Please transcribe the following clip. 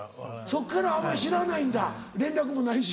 そっからあんまり知らないんだ連絡もないし。